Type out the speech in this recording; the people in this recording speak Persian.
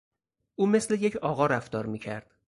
او مثل یک آقا رفتار میکرد.